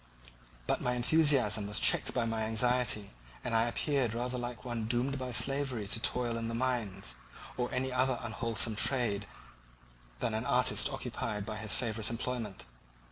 But my enthusiasm was checked by my anxiety, and I appeared rather like one doomed by slavery to toil in the mines, or any other unwholesome trade than an artist occupied by his favourite employment.